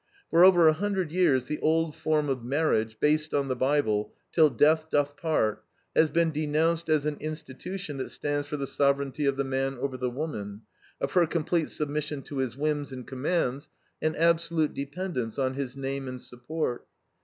For over a hundred years the old form of marriage, based on the Bible, "till death doth part," has been denounced as an institution that stands for the sovereignty of the man over the woman, of her complete submission to his whims and commands, and absolute dependence on his name and support.